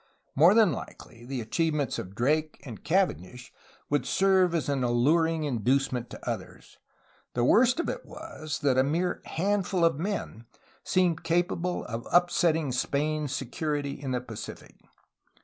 More than likely, the achievements of Drake and Cavendish would serve as an alluring inducement to others. The worst of it was, that a mere handful of men seemed capable of upsetting Spain's security in the Pacific.